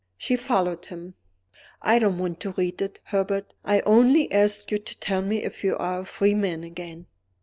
She followed him. "I don't want to read it, Herbert. I only ask you to tell me if you are a free man again."